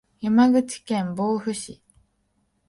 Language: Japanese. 山口県防府市